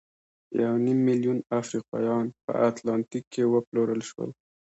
یو نیم میلیون افریقایان په اتلانتیک کې وپلورل شول.